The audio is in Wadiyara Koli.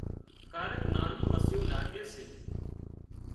ڪاريڪ ناني مسيون لاڳي سي